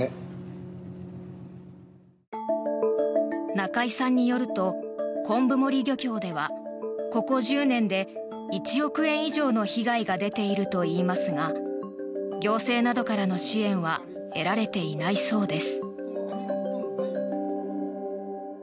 中井さんによると昆布森漁協ではここ１０年で１億円以上の被害が出ているといいますが行政などからの支援は得られていないそうです。